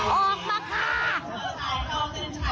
ออกมาค่ะ